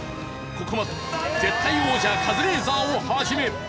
ここまで絶対王者カズレーザーを始め。